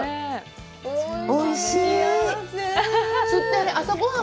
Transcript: おいしい！